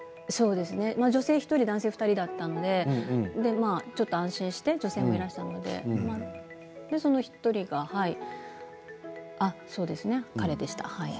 女性が１人男性２人だったのでちょっと安心して女性もいらしたのでその１人が彼でした。